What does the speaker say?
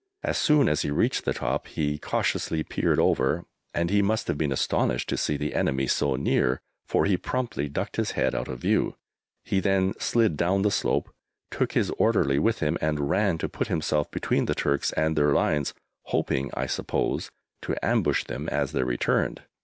As soon as he reached the top he cautiously peered over, and he must have been astonished to see the enemy so near, for he promptly ducked his head out of view. He then slid down the slope, took his orderly with him, and ran to put himself between the Turks and their lines, hoping, I suppose, to ambush them as they returned.